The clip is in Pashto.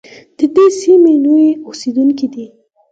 د دې سیمې نوي اوسېدونکي دي.